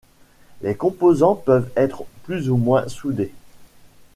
Les composants peuvent être plus ou moins soudés.